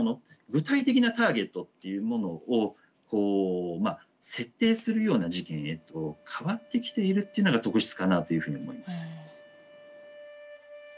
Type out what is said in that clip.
具体的なターゲットっていうものを設定するような事件へと変わってきているっていうのが特質かなというふうに思います。